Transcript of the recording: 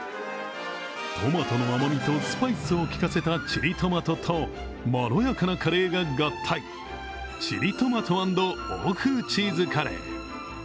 トマトの甘みとスパイスを効かせたチリトマトとまろやかなカレーが合体、チリトマト＆欧風チーズカレー。